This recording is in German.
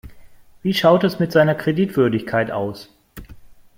Wie schaut es mit seiner Kreditwürdigkeit aus?